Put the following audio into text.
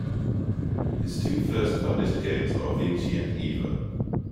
His two first published games are "Vinci" and "Evo".